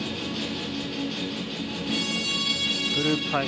グループ５